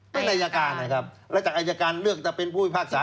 เป็นอายการนะครับแล้วจากอายการเลือกจะเป็นผู้พิพากษา